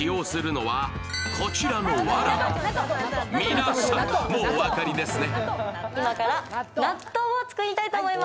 皆さん、もうお分かりですね。